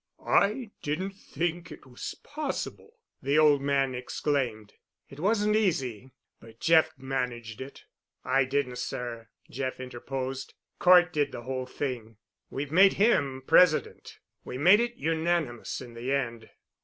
"I didn't think it was possible," the old man exclaimed. "It wasn't easy, but Jeff managed it." "I didn't sir," Jeff interposed. "Cort did the whole thing. We've made him president. We made it unanimous in the end."